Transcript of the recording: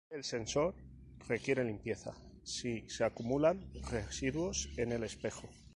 El sensor requiere limpieza si se acumulan residuos en el espejo.